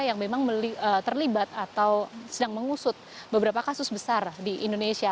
yang memang terlibat atau sedang mengusut beberapa kasus besar di indonesia